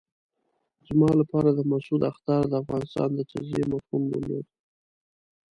زما لپاره د مسعود اخطار د افغانستان د تجزیې مفهوم درلود.